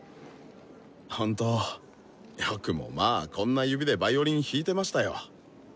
ほんとよくもまあこんな指でヴァイオリン弾いてましたよ。